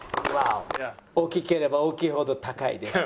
「大きければ大きいほど高いです」。